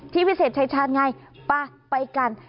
วิเศษชายชาญไงไปกัน